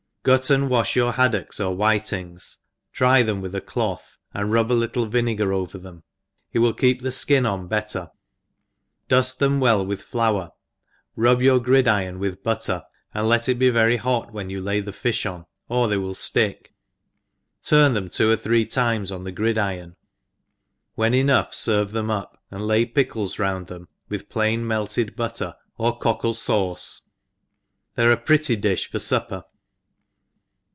GUT and wafh your haddocks or whitings^ dry them with a cloth, and rub a little vinegar over them, it will keep the fkin on better, duft them well with ilour, rub your gridiron with butter, and let it be very hot when you lay the fifti on, or they will ftick, turn them two or three times on the gridiron, when enough ferve. them up, and lay pickles round them, with plain melted butter, or cockle fauce, they are a pretty diih for fupper.